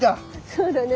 そうだね。